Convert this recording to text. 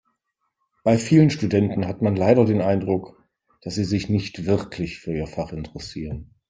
Bei vielen Studenten hat man leider den Eindruck, dass sie sich nicht wirklich für ihr Fach interessieren.